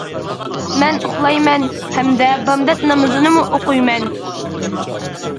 مەن ئۇخلايمەن، ھەمدە بامدات نامىزىنىمۇ ئوقۇيمەن.